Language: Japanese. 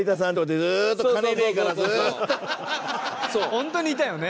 ホントにいたよね。